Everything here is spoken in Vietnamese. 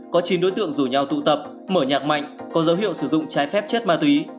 có chín đối tượng rủ nhau tụ tập mở nhạc mạnh có dấu hiệu sử dụng trái phép chất ma túy